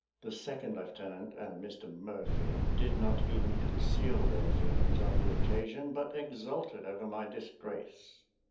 The second lieutenant and Mr Murphy did not even conceal their feelings on the occasion, but exulted over my disgrace.